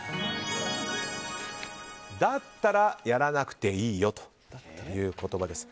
だったらやらなくていいよという言葉です。